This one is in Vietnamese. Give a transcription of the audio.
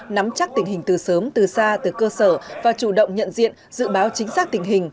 nắm chắc tình hình từ sớm từ xa từ cơ sở và chủ động nhận diện dự báo chính xác tình hình